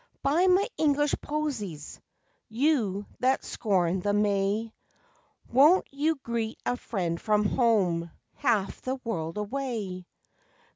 _ Buy my English posies! You that scorn the may Won't you greet a friend from home Half the world away?